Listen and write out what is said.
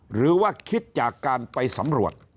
หรือว่าคิดจากการไปสำรวจ